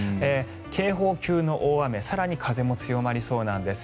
警報級の大雨更に風も強まりそうなんです。